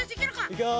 いくよ。